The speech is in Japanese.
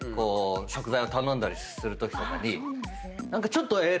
食材を頼んだりするときとかにちょっとええ